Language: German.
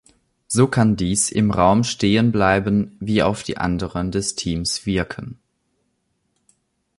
So kann dies im Raum stehen bleiben wie auf die anderen des Teams wirken.